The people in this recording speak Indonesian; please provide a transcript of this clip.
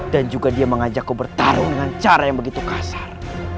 dan juga dia mengajakku bertarung dengan cara yang begitu kasar